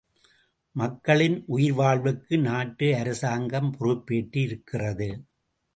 மக்களின் உயிர் வாழ்வுக்கு நாட்டு அரசாங்கம் பொறுப்பேற்று இருக்கிறது.